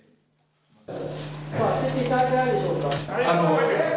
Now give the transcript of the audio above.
当てていただけないでしょうか。